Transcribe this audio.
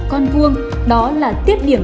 con vuông đó là tiết điểm